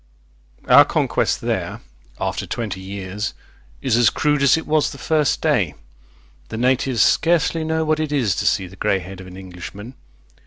Our conquest there, after twenty years, is as crude as it was the first day. The natives scarcely know what it Is to see the grey head of an Englishman.